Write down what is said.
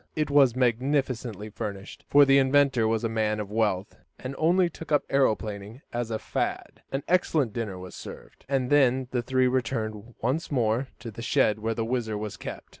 It was magnificently furnished, for the inventor was a man of wealth, and only took up aeroplaning as a "fad." An excellent dinner was served, and then the three returned once more to the shed where the WHIZZER was kept.